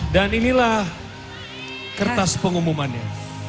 dan inilah kertas pengumumannya